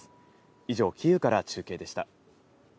以上、キーウから中継でした。